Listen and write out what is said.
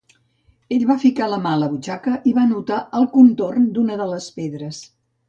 Ell va ficar la mà a la butxaca i va notar el contorn d'una de les pedres.